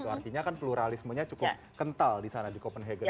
artinya kan pluralismenya cukup kental disana di copenhagen